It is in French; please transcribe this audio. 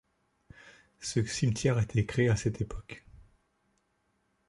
Ce cimetière a été créé à ctte époque.